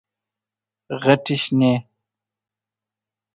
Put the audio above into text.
غټي شنې،